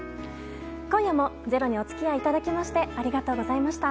今夜も「ｚｅｒｏ」にお付き合いいただきましてありがとうございました。